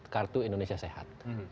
kartu indonesia sehat